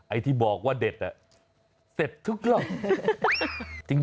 ไอ้ที่บอกว่าเด็ดอ่ะเสร็จทุกครั้ง